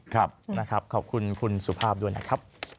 ครับขอบคุณคุณสุภาพด้วยนะครับ